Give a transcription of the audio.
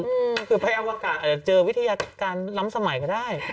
อืมคือไปอวกาศเจอวิธีการรำสมัยก็ได้